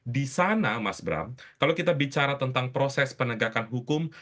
di sana mas bram kalau kita bicara tentang proses penegakan hukum